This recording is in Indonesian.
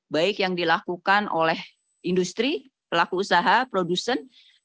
baik yang dilakukan oleh industri pelaku usaha produsen